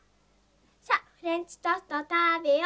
さっフレンチトーストをたべよ。